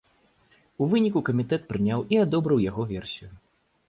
У выніку камітэт прыняў і адобрыў яго версію.